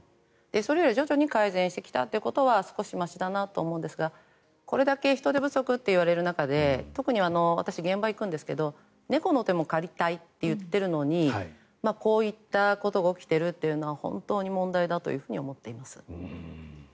それより徐々に改善してきたということは少しましだなと思うんですがこれだけ人手不足といわれる中で特に、私は現場に行くんですが猫の手も借りたいと言っているのにこういったことが起きているというのは本当に問題だと思っています。